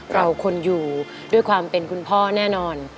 เราควรอยู่ด้วยความเป็นคุณพ่อแน่นอน